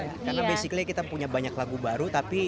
karena basically kita punya banyak lagu baru tapi